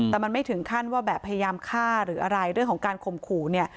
แต่มันไม่ถึงขั้นว่าแบบพยายามฆ่าหรืออะไรเรื่องของการข่มขู่เนี่ย